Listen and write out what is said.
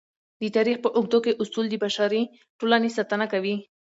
د تاریخ په اوږدو کې اصول د بشري ټولنې ساتنه کړې.